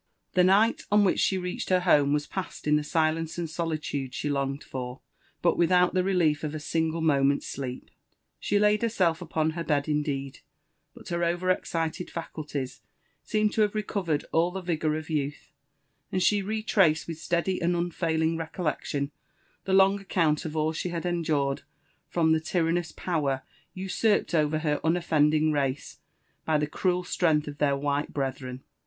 The nigM on which she reached her home was passed in the silence and sdilude she longed for, but without the relief of a single moment's sleep. She laid herself upon her bed, indeed, but her over excited faculties seemed to have recovered all the vigour of youth, and she rer traeed with steady and unfailing recollection the long account of all she had endured f^om the tyrannous power usurped over her unoffend* lag race by the cruoi strength of their white brethren.